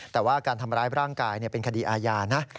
แต่ว่าการทำร้ายร่างกายเป็นคดีอาญานะ